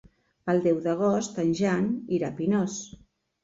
El deu d'agost en Jan irà a Pinós.